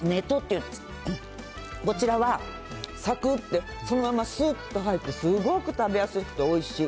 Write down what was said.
こちらは、さくって、そのまますーっと入って、すごく食べやすくておいしい。